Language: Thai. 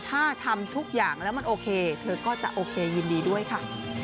ถ้าทำทุกอย่างแล้วมันโอเคเธอก็จะโอเคยินดีด้วยค่ะ